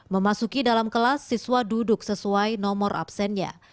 memasuki dalam kelas siswa duduk sesuai nomor absennya